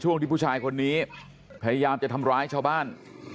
ที่ผู้ชายคนนี้พยายามจะทำร้ายชาวบ้าน